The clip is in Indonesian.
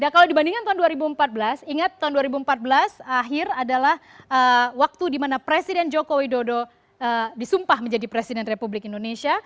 kalau dibandingkan tahun dua ribu empat belas ingat tahun dua ribu empat belas akhir adalah waktu di mana presiden joko widodo disumpah menjadi presiden republik indonesia